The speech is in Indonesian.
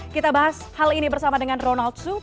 kita bahas hal ini bersama dengan ronald zoo